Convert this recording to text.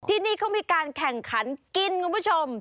ที่นี่เขามีการแข่งขันกินคุณผู้ชม